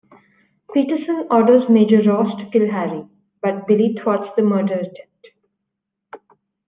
Peterson orders Major Ross to kill Harry, but Billy thwarts the murder attempt.